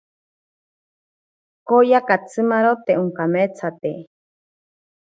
Kooya katsimaro te onkameetsate.